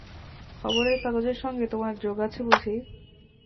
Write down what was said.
খবরের কাগজের সঙ্গে তোমার যোগ আছে বুঝি?